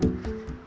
ya udah deh